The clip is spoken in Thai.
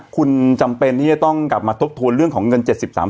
คุณจำเป็นที่จะต้องกลับมาทบทวนเรื่องของเงิน๗๓๐๐บาท